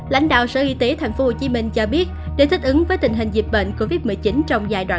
lãnh đạo sở y tế tp hcm cho biết để thích ứng với tình hình dịch bệnh covid một mươi chín trong giai đoạn